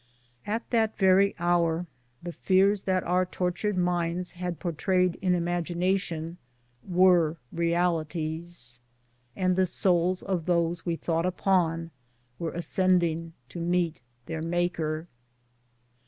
At that very hour the fears that our tortured minds had portrayed in imagination were realities, and the souls of those we thought upon were ascending to meet tlieir Maker.